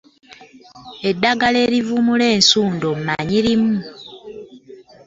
Eddagala erivumula ensundo mmanyi limu.